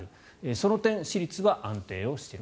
その点、私立は安定している。